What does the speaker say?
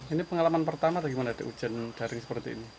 ini pengalaman pertama atau gimana di hujan daring seperti ini